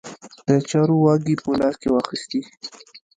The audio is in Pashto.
د چارو واګې په لاس کې واخیستې.